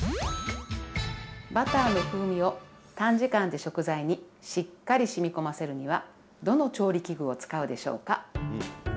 バターの風味を短時間で食材にしっかりしみこませるにはどの調理器具を使うでしょうか？